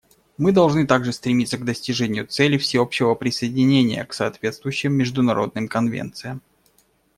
Мы должны также стремиться к достижению цели всеобщего присоединения к соответствующим международным конвенциям.